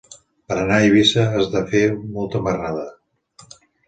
Per anar a Eivissa has de fer molta marrada.